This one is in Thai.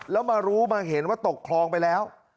แล้วมารู้มาเห็นว่าตกคลองไปแล้ว